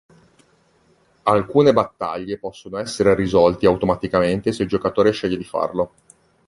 Alcune battaglie possono essere risolti automaticamente se il giocatore sceglie di farlo.